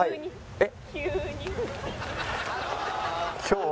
えっ？